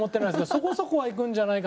そこそこは、いくんじゃないか。